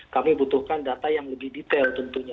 kami butuhkan data yang lebih detail tentunya